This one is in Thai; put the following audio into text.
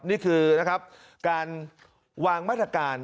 นี่คือการวางมาตรการ